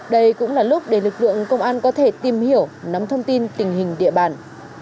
đây cũng là lúc để lực lượng công an có thể tìm hiểu nắm thông tin tình hình địa bàn